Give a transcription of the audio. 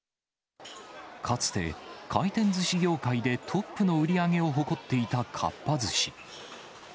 かつて、回転ずし業界でトップの売り上げを誇っていたかっぱ寿司。